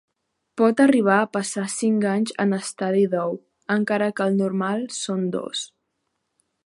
Pot arribar a passar cinc anys en estadi d'ou, encara que el normal són dos.